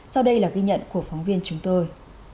sau đây là ghi nhận của phóng viên chúng tôi